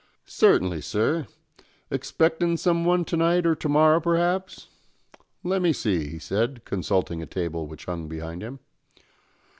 "Certainly, sir; expectin' some one to night or to morrow p'raps. Let me see," he said, consulting a table which hung behind him.